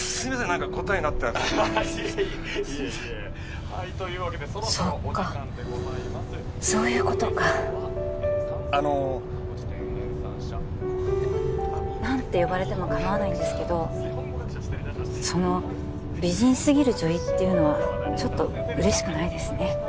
何か答えになってなくてあっいえいえというわけでそろそろお時間そっかそういうことかあの何て呼ばれても構わないんですけどその美人すぎる女医っていうのはちょっと嬉しくないですね